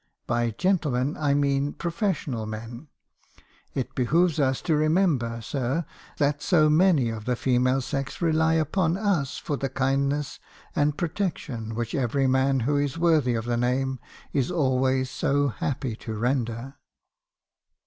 By gentlemen, I mean professional men. It behoves us to remember, sir, that so many of the female sex rely upon us for the kindness and protection which every man who is worthy of the name is always so happy to render.'